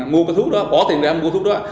mua cái thuốc đó bỏ tiền để mua thuốc đó